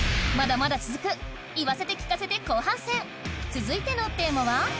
続いてのテーマは？